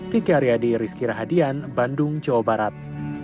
kiki aryadi rizky rahadian bandung jawa barat